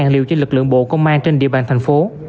hai liều cho lực lượng bộ công an trên địa bàn thành phố